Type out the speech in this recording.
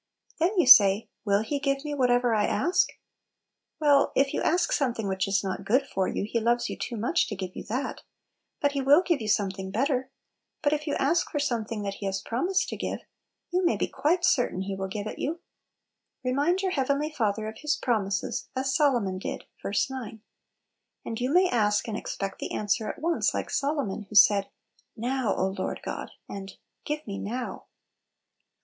Then you say, "Will He give me whatever I ask?" Well, if you ask something which is not good for you, He loves you too much to give you that! but He will give you something better. But if you ask for something that He has promised to give, you may 32 Little Pillows. be quite certain He will give it you. Remind your heavenly Father of His promises, as Solomon did (ver. 9). And you may ask and expect the answer at once, like Solomon, who said, "Now, O Lord God !" and " Give me now